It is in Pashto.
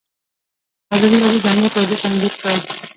ازادي راډیو د امنیت وضعیت انځور کړی.